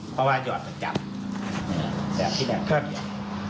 เพราะว่าหยอดประจำแสบที่แรกแป๊บเดี๋ยว